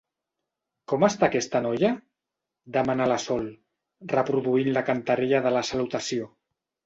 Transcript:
Com està aquesta noia? —demana la Sol, reproduint la cantarella de la salutació.